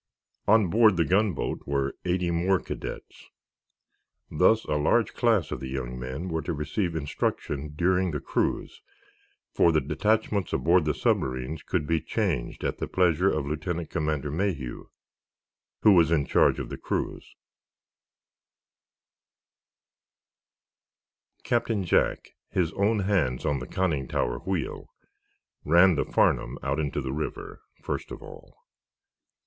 On board the gunboat were eighty more cadets. Thus a large class of the young men were to receive instruction during the cruise, for the detachments aboard the submarines could be changed at the pleasure of Lieutenant Commander Mayhew, who was in charge of the cruise. Captain Jack, his own hands on the conning tower wheel, ran the "Farnum" out into the river, first of all.